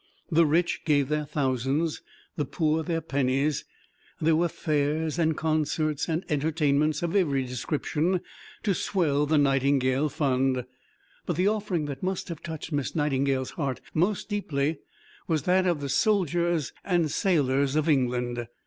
The rich gave their thousands, the poor their pennies. There were fairs and concerts and entertainments of every description, to swell the Nightingale fund; but the offering that must have touched Miss Nightingale's heart most deeply was that of the soldiers and sailors of England.